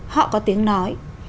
họ có tiếng nói